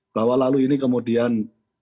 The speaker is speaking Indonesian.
bahwa lalu ini kemudian